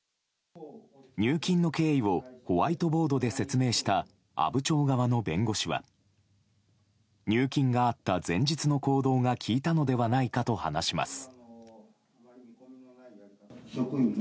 入金の経緯をホワイトボードで説明した阿武町側の弁護士は入金があった前日の行動が効いたのではないかと話します。